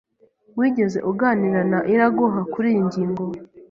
Wigeze uganira na Iraguha kuriyi ngingo?